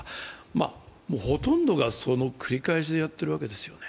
ほとんどが、その繰り返しでやっているわけですよね。